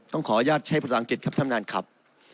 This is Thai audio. ขออนุญาตใช้ภาษาอังกฤษครับท่านท่านครับ